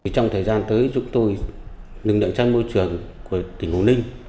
trong thời gian tới chúng tôi lực lượng trang môi trường của tỉnh quảng ninh